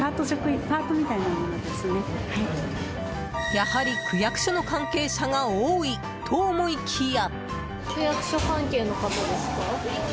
やはり区役所の関係者が多いと思いきや。